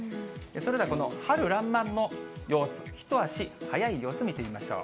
それではこの春らんまんの様子、一足早い様子、見てみましょう。